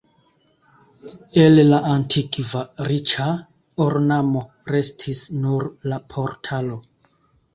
El la antikva riĉa ornamo restis nur la portalo.